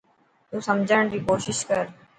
تو سمجهڻ ي ڪوشش ڪر.